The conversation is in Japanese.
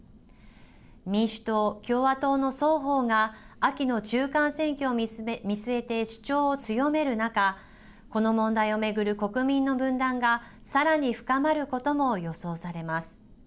民主党、共和党の双方が秋の中間選挙を見据えて主張を強める中この問題を巡る国民の分断がさらに深まることも予想されます。